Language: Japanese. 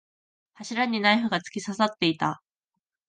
柱にナイフが突き刺さっていた。